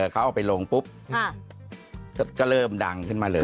เขาเอาไปลงปุ๊บก็เริ่มดังขึ้นมาเลย